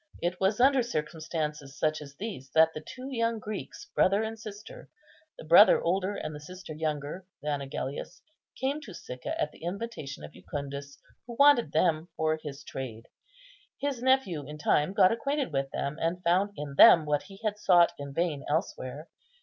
It was under circumstances such as these that two young Greeks, brother and sister, the brother older, the sister younger, than Agellius, came to Sicca at the invitation of Jucundus, who wanted them for his trade. His nephew in time got acquainted with them, and found in them what he had sought in vain elsewhere.